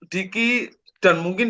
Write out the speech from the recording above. diki dan mungkin